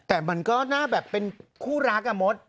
แต่มันก็น่าแบบเป็นคู่รักอะมด